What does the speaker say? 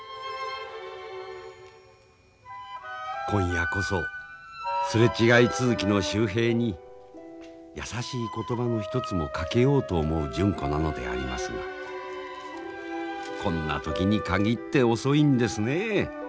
今夜こそ擦れ違い続きの秀平に優しい言葉の一つもかけようと思う純子なのでありますがこんな時に限って遅いんですねえ